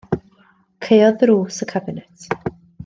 Caeodd ddrws y cabinet.